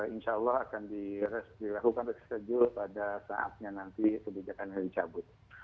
insya allah akan dilakukan berkeceju pada saatnya nanti kebijakan yang dicabut